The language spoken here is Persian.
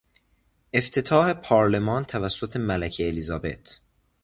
افتتاح پارلمان توسط ملکه الیزابت